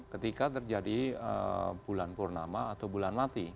ketika terjadi bulan purnama atau bulan mati